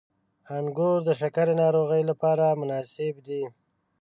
• انګور د شکرې ناروغۍ لپاره مناسب دي.